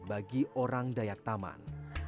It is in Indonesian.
bagi orang dayak taman